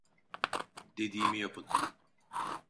Dediğimi yapın!